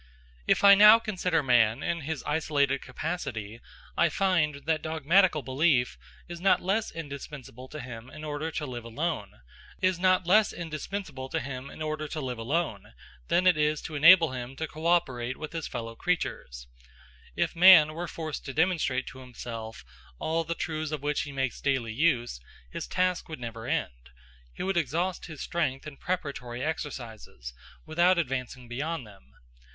If I now consider man in his isolated capacity, I find that dogmatical belief is not less indispensable to him in order to live alone, than it is to enable him to co operate with his fellow creatures. If man were forced to demonstrate to himself all the truths of which he makes daily use, his task would never end. He would exhaust his strength in preparatory exercises, without advancing beyond them.